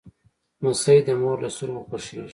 لمسی د مور له سترګو خوښیږي.